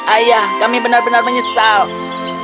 ayah kami benar benar menyesal